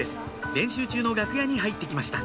練習中の楽屋に入ってきました